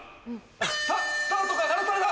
さぁスタートが鳴らされた！